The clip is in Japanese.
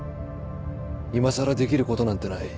いまさらできることなんてない。